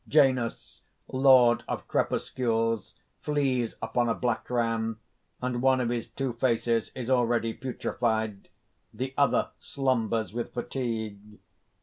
_ _Janus, lord of crepuscules, flees upon a black ram; and one of his two faces is already putrified; the other slumbers with fatigue.